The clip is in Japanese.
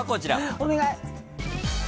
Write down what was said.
お願い。